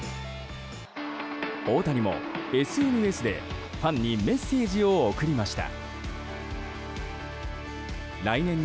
大谷もＳＮＳで、ファンにメッセージを送りました。